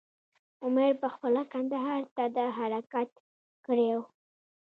امیر پخپله کندهار ته حرکت کړی وو.